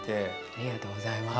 ありがとうございます。